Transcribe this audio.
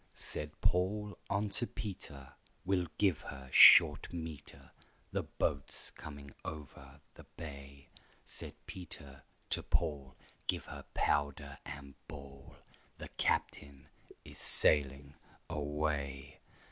Said Paul unto Peter, "We'll give her short metre, The boat's coming over the bay." Said Peter to Paul, "Give her powder and ball, And the captain is sailing away."